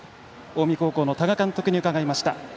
近江高校の多賀監督に伺いました。